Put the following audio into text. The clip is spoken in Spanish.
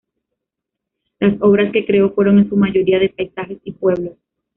Las obras que creó fueron en su mayoría de paisajes y pueblos.